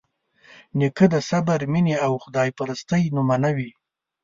نیکه د صبر، مینې او خدایپرستۍ نمونه وي.